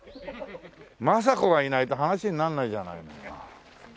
政子がいないと話にならないじゃないのよ。